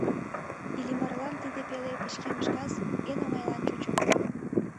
Иллимарлан тиде пеле пычкемыш кас эн оҥайла чучо.